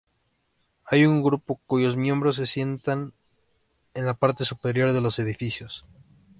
Hay un grupo cuyos miembros se sientan en la parte superior de los edificios.